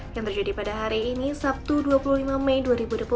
yang terjadi pada hari ini sabtu dua puluh lima mei dua ribu dua puluh